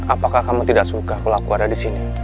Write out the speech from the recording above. apakah kamu tidak suka kalau aku ada di sini